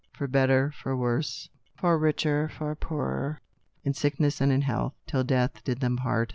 For better for worse, for richer for poorer, in sickness and in health, till death did them part